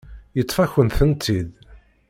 Yeṭṭef-akent-tent-id.